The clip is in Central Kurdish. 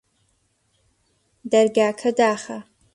دەرگاکە داخە